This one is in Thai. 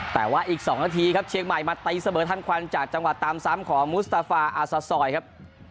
แต่ว่าอีก๒นาทีครับเชียงใหม่มาตีเสมอทันควันจากจังหวะตามซ้ำของมุสตาฟาอาซาซอยครับ